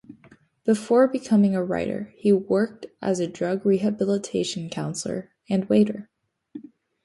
Before becoming a writer, he worked as a drug rehabilitation counselor and waiter.